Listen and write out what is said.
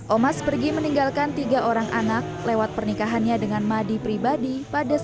omas pergi meninggalkan tiga orang anak lewat pernikahannya dengan madi pribadi pada seribu sembilan ratus sembilan puluh